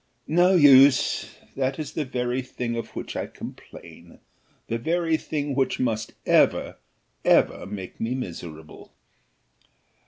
"No use! that is the very thing of which I complain; the very thing which must ever ever make me miserable."